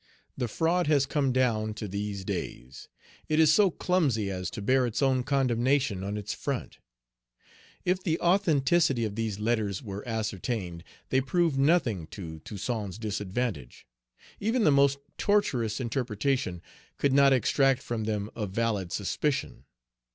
The fraud has come down to these days; it is so clumsy as to bear its own condemnation on its front. If the authenticity of these letters were ascertained, they prove nothing to Toussaint's disadvantage. Even the most tortuous interpretation could not extract from them a valid suspicion.